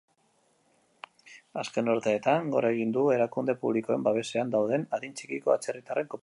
Azken urteetan gora egin du erakunde publikoen babesean dauden adin txikiko atzerritarren kopuruak.